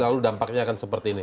lalu dampaknya akan seperti ini